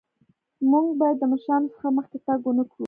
مونږ باید د مشرانو څخه مخکې تګ ونکړو.